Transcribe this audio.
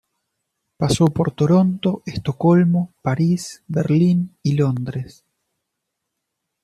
Pasó por Toronto, Estocolmo, París, Berlín y Londres.